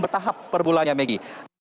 bertahap per bulannya megi